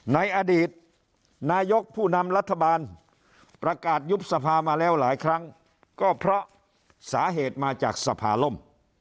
ในอดีตนายกผู้นำรัฐบาลประกาศยุบสภามาแล้วหลายครั้งก็เพราะสาเหตุมาจากสภาล่ม